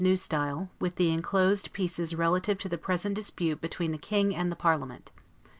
S., with the inclosed pieces relative to the present dispute between the King and the parliament.